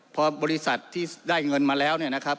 พอบริษัทที่ได้เงินมาแล้ว